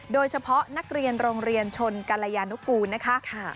โดยเฉพาะนักเรียนโรงเรียนชนกรยานุกูลนะคะ